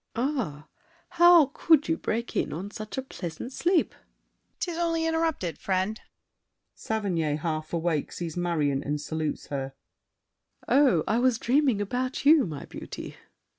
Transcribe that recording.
Ah, how could you Break in on such a pleasant sleep! DIDIER. 'Tis only Interrupted, friend! SAVERNY (half awake: sees Marion and salutes her). Oh, I was dreaming About you, my beauty!